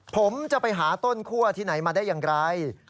ผมจะไปหาต้นคั่วที่ไหนมาได้อย่างไร